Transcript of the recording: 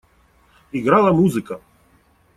Играла музыка.